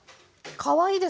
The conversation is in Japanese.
かわいいです。